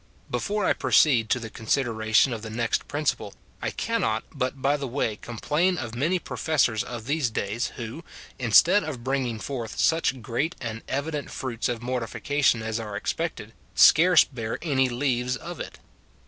Before I proceed to the consideration of the next princi^ pie, I cannot but by the way complain of many professors of these days, who, instead of bringing forth such great and evident fruits of mortification as are expected, scarce bear any leaves of it.